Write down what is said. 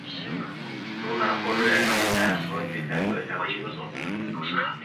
龙南后蕊苣苔为苦苣苔科后蕊苣苔属下的一个种。